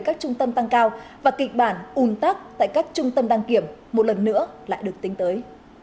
các trung tâm tăng cao và kịch bản un tắc tại các trung tâm đăng kiểm một lần nữa lại được tính tới